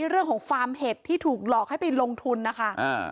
เรื่องของฟาร์มเห็ดที่ถูกหลอกให้ไปลงทุนนะคะ